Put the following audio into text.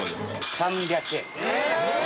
３００円。